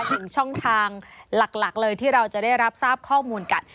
ถึงช่องทางหลักเลยที่เราจะได้รับทราบข้อมูลกัน